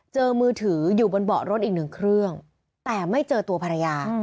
มือถืออยู่บนเบาะรถอีกหนึ่งเครื่องแต่ไม่เจอตัวภรรยา